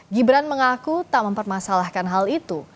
gibran mengaku tak mempermasalahkan hal itu